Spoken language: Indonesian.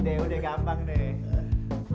udah udah gampang deh